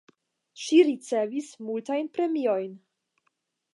Ŝi ricevis multajn premiojn.